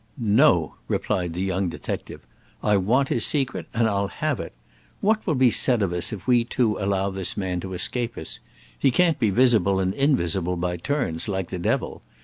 "No!" replied the young detective. "I want his secret, and I'll have it. What will be said of us if we two allow this man to escape us? He can't be visible and invisible by turns, like the devil.